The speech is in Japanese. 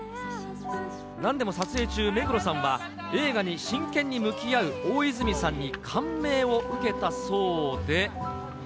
なんでも撮影中、目黒さんは、映画に真剣に向き合う大泉さんに感銘を受けたそうで。